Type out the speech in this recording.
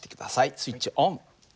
スイッチオン。